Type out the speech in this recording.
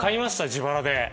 自腹で？